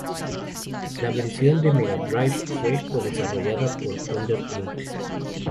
La versión de Mega Drive fue co-desarrollada por Condor, Inc.